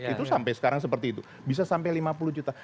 itu sampai sekarang seperti itu bisa sampai lima puluh juta